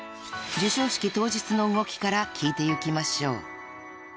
［授賞式当日の動きから聞いてゆきましょう］